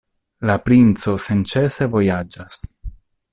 La princo senĉese vojaĝas.